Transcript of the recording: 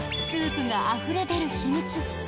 スープがあふれ出る秘密。